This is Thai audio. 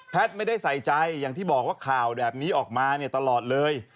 ไม่ได้ใส่ใจอย่างที่บอกว่าข่าวแบบนี้ออกมาเนี่ยตลอดเลย